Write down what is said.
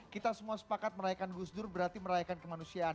kita semua sepakat merayakan gus dur berarti merayakan kemanusiaan